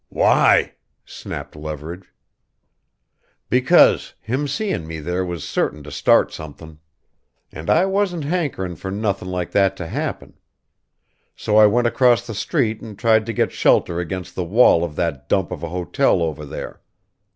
"Why?" snapped Leverage. "Because him seein' me there was certain to start somethin'. And I wasn't hankerin' for nothin' like that to happen. So I went across the street and tried to get shelter against the wall of that dump of a hotel over there.